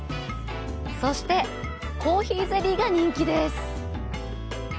そして、コーヒーゼリーが人気です。